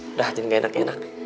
udah jadi gak enak enak